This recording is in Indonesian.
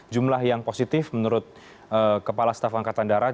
jumlah yang positif menurut kepala staf angkatan darat